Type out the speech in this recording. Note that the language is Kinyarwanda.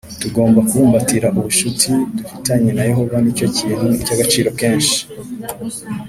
Tugomba kubumbatira ubucuti dufitanye na Yehova Ni cyo kintu cy agaciro kenshi